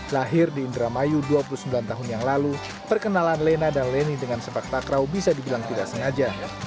lahir di indramayu dua puluh sembilan tahun yang lalu perkenalan lena dan leni dengan sepak takraw bisa dibilang tidak sengaja